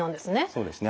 そうですね。